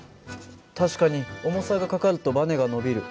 確かに重さがかかるとばねが伸びる。